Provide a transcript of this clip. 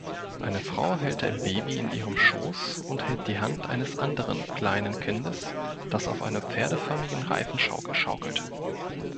Eine Frau hält ein Baby in ihrem Schoß und hält die Hand eines anderen kleinen Kindes, das auf einer pferdeförmigen Reifenschaukel schaukelt